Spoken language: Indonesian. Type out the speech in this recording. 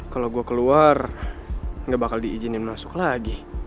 kalau gue keluar nggak bakal diizinin masuk lagi